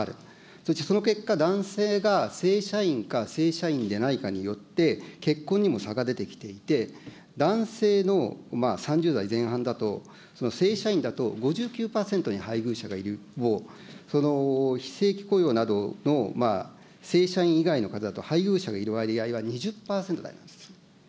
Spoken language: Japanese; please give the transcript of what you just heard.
そして、その結果、男性が正社員か正社員でないかによって、結婚にも差が出てきていて、男性の３０代前半だと、正社員だと５９％に配偶者がいる、非正規雇用などの正社員以外の方だと、配偶者がいる割合は２０％なんですよ。